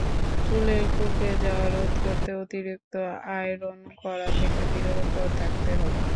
চুলের কুঁকড়ে যাওয়া রোধ করতে অতিরিক্ত আয়রন করা থেকে বিরত থাকতে হবে।